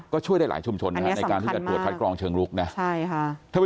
ก็ช่วยได้หลายชุมชนในการที่จะดูดฟัดกรองเชิงรุกนะ